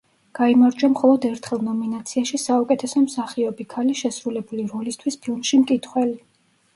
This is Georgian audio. გაიმარჯვა მხოლოდ ერთხელ ნომინაციაში საუკეთესო მსახიობი ქალი შესრულებული როლისთვის ფილმში „მკითხველი“.